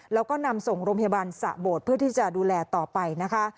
แล้วก็นำส่งโรงพยาบาลสะโบดเพื่อที่จะดูแลต่อไปนะคะ